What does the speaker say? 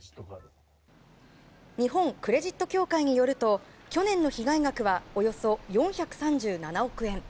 日本クレジット協会によると去年の被害額はおよそ４３７億円。